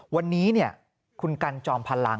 วันนี้คุณกันจอมพลัง